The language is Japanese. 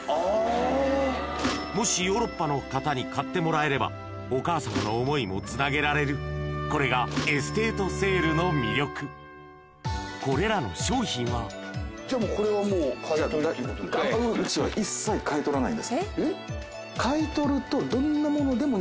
もしヨーロッパの方に買ってもらえればお母様の思いもつなげられるこれがエステートセールの魅力これらの商品は買い取らずに。